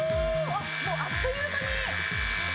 あっもうあっという間に！